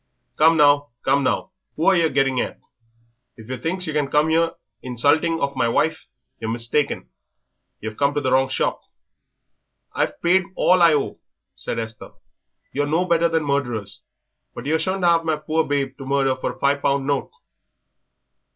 Come now, come now, who are yer getting at? If yer thinks yer can come here insulting of my wife yer mistaken; yer've come to the wrong shop." "I've paid all I owe," said Esther. "You're no better than murderers, but yer shan't have my poor babe to murder for a five pound note."